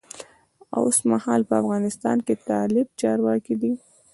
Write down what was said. اوسمهال په افغانستان کې طالب چارواکی دی.